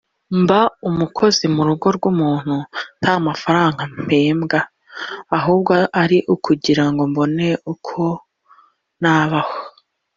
mba umukozi mu rugo rw’umuntu nta mafaranga mpembwa ahubwo ari ukugirango mbone uko nabaho